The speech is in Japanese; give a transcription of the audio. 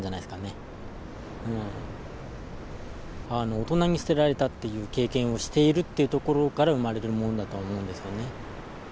大人に捨てられたっていう経験をしているっていうところから生まれるものだとは思うんですよね。